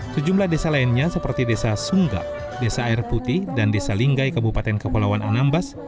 sejumlah desa lainnya seperti desa sunggap desa air putih dan desa linggai kabupaten kepulauan anambas